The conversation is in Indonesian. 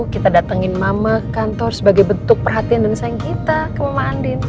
kita datengin mama kantor sebagai bentuk perhatian dan sayang kita ke mama andi